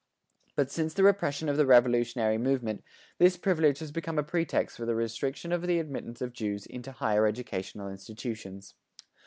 But since the repression of the revolutionary movement, this privilege has become a pretext for the restriction of the admittance of Jews into higher educational institutions.